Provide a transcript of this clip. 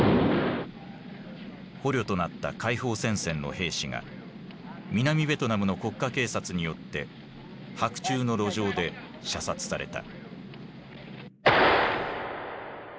捕虜となった解放戦線の兵士が南ベトナムの国家警察によって白昼の路上で射殺された。